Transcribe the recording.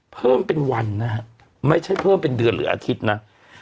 เพิ่มเป็นวันนะฮะไม่ใช่เพิ่มเป็นเดือนหรืออาทิตย์นะ